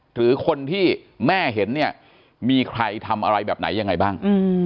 หรือคนที่แม่เห็นเนี่ยมีใครทำอะไรแบบไหนยังไงบ้าง